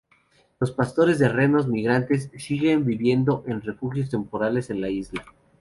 Los pastores de renos migrantes siguen viviendo en refugios temporales en la isla.